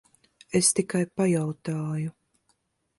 Es tikai pajautāju.